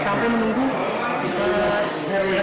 saya akan lari dari sini